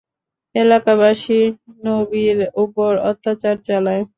এলাকাবাসী নবীর উপর অত্যাচার চালায়।